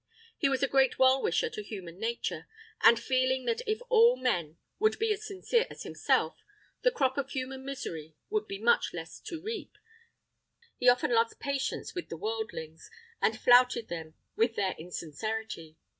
He was a great well wisher to human nature; and feeling that if all men would be as sincere as himself, the crop of human misery would be much less to reap, he often lost patience with the worldlings, and flouted them with their insincerity.